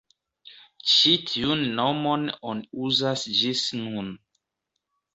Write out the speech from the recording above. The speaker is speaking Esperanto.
Ĉi tiun nomon oni uzas ĝis nun.